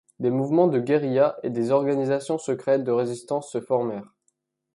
Des mouvements de guérillas et des organisations secrètes de résistance se formèrent.